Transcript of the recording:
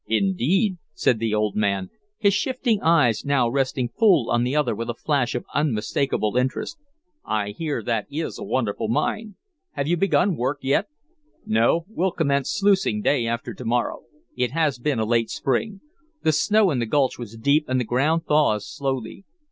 "Indeed!" said the old man, his shifting eyes now resting full on the other with a flash of unmistakable interest. "I hear that is a wonderful mine. Have you begun work yet?" "No. We'll commence sluicing day after to morrow. It has been a late spring. The snow in the gulch was deep and the ground thaws slowly.